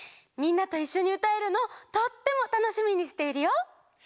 みんなといっしょにうたえるのとってもたのしみにしているよ。